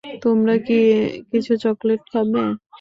তোমরা কি কিছু চকলেট খাবে?